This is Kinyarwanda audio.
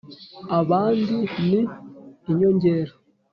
abandi ni inyogera